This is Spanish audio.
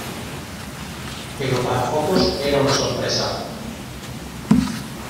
Pero para pocos era una sorpresa.